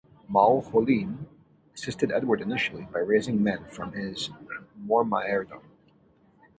Maol Choluim assisted Edward initially by raising men from his Mormaerdom.